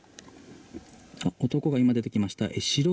男が今出てきました。